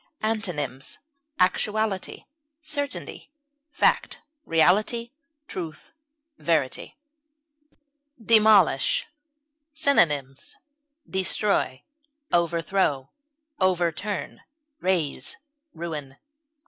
Antonyms: actuality, certainty, fact, reality, truth, verity. DEMOLISH. Synonyms: destroy, overthrow, overturn, raze, ruin.